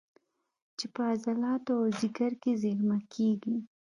چې په عضلاتو او ځیګر کې زېرمه کېږي